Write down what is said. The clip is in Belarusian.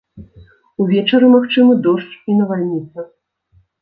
Увечары магчымы дождж і навальніца.